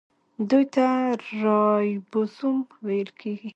دوی ته رایبوزوم ویل کیږي.